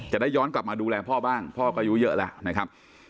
จะได้ย้อนกลับมาดูแลพ่อบ้างพ่อก็อายุเยอะแล้วนะครับ